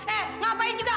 eh ngapain juga